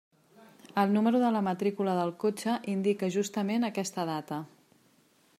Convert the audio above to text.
El número de la matrícula del cotxe indica, justament aquesta data.